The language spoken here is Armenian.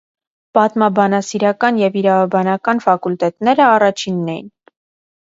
Պատմաբանասիրական և իրավաբանական ֆակուլտետները առաջինն էին։